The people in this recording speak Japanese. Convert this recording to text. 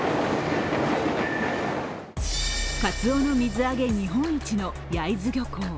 カツオの水揚げ日本一の焼津漁港。